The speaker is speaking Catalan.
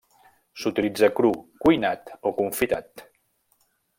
S'utilitza cru, cuinat o confitat.